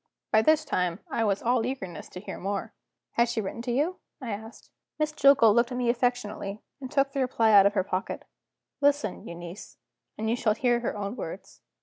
By this time, I was all eagerness to hear more. "Has she written to you?" I asked. Miss Jillgall looked at me affectionately, and took the reply out of her pocket. "Listen, Euneece; and you shall hear her own words.